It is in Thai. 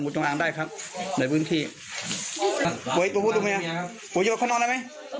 ไม่ได้เห็นแบบนี้มากนานแล้ว